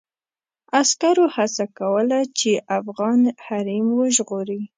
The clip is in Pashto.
عسکرو هڅه کوله چې افغاني حريم وژغوري.